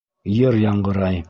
Йыр яңғырай: